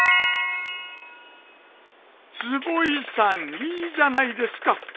坪井さんいいじゃないですか。